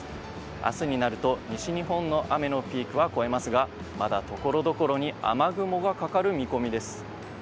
明日になると西日本の雨のピークは越えますがまだ、ところどころに雨雲がかかる見込みです。